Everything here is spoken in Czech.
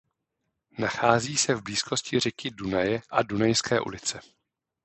Nachází se v blízkosti řeky Dunaje a "Dunajské ulice".